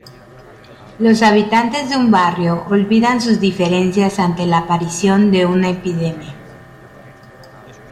Los habitantes de un barrio olvidan sus diferencias ante la aparición de una epidemia.